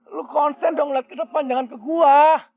lu konsen dong liat ke depan jangan ke gue